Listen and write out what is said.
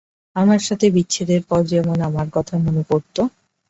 আমার সাথে বিচ্ছেদের পর যেমন আমার কথা মনে পড়ত?